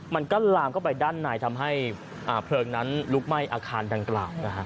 มันก็ลามเข้าไปด้านในทำให้เพลิงนั้นลุกไหม้อาคารดังกล่าวนะฮะ